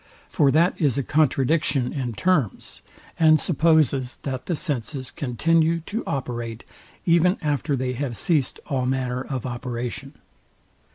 For that is a contradiction in terms, and suppose that the senses continue to operate, even after they have ceased all manner of operation.